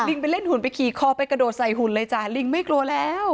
ไปเล่นหุ่นไปขี่คอไปกระโดดใส่หุ่นเลยจ้ะลิงไม่กลัวแล้ว